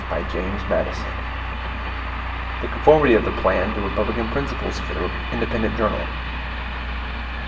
39 The Conformity of the Plan to Republican Principles For the Independent Journal.